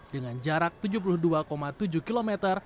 dengan jarak tujuh puluh dua tujuh km